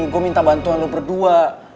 gue minta bantuan lo berdua